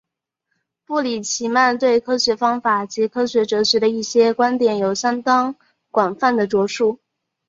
布里奇曼对科学方法及科学哲学的一些观点有相当广泛的着述。